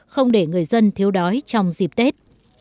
không để người dân thiếu đói trong dịp tết